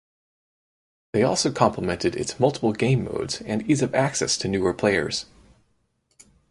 They also complimented its multiple game modes and ease of access to newer players.